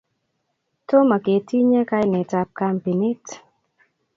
Tomo ketinye kainetab kampinit.